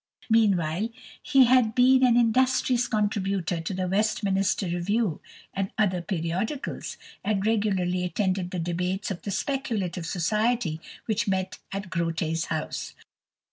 Meanwhile he had been an industrious contributor to the Westminster Review and other periodicals, and regularly attended the debates of the Speculative Society which met at Grote's house.